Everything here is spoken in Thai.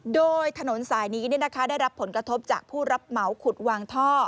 โดยถนนสายนี้ได้รับผลกระทบจากผู้รับเหมาขุดวางท่อ